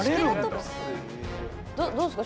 どうですか？